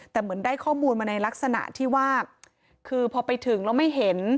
แต่เหมือนได้ข้อมูลมาในลักษณะที่ว่าคือพอไปถึงแล้วไม่เห็น